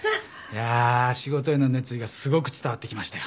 いや仕事への熱意がすごく伝わってきましたよ。